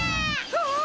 ああ！